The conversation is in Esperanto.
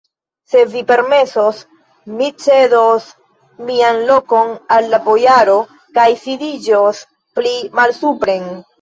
Se vi permesos, mi cedos mian lokon al la bojaro kaj sidiĝos pli malsupren.